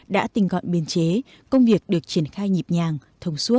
đã tình gọn biên chế công việc được triển khai nhịp nhàng thông suốt